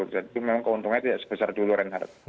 jadi itu memang keuntungannya tidak sebesar dulu renhardt